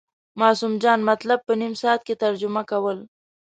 معصوم جان مطلب په نیم ساعت کې ترجمه کول.